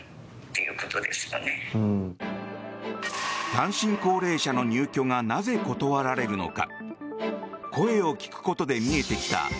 単身高齢者の入居がなぜ断られるのか。